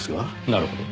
なるほど。